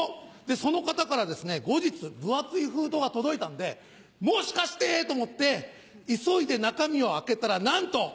その方からですね後日分厚い封筒が届いたんでもしかしてと思って急いで中身を開けたらなんと！